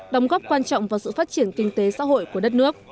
đóng góp quan trọng vào sự phát triển kinh tế xã hội của đất nước